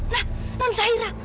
nah non zahira